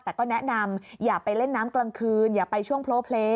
แต่ก็แนะนำอย่าไปเล่นน้ำกลางคืนอย่าไปช่วงโพลเพลย์